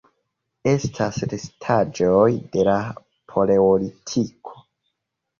Estas restaĵoj de la Paleolitiko.